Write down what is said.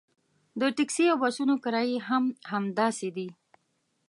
د ټکسي او بسونو کرایې هم همداسې دي.